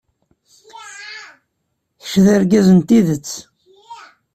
Kečč d argaz n tidet.